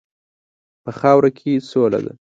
په خاوره کې سوله ده.